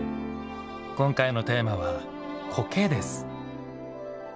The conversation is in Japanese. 今回のテーマは「苔」です。